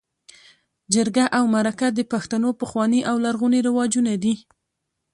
جرګه او مرکه د پښتنو پخواني او لرغوني رواجونه دي.